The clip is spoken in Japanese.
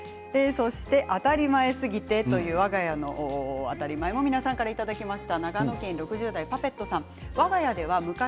そして、当たり前すぎてというわが家の当たり前も皆さんからいただきました。